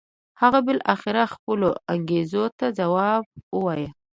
هغه بالاخره خپلو انګېزو ته ځواب و وایه.